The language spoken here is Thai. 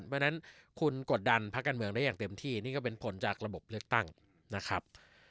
เพราะฉะนั้นคุณกดดันพักการเมืองได้อย่างเต็มที่นี่ก็เป็นผลจากระบบเลือกตั้งนะครับ